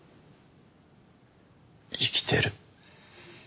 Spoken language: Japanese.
生きてる。